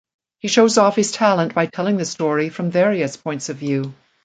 He shows off his talent by telling the story from various points of view.